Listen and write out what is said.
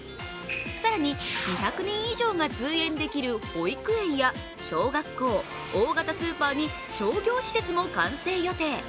更に２００人以上が通園できる保育園や小学校、大型スーパーに商業施設も完成予定。